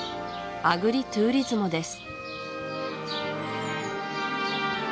アグリツーリズモです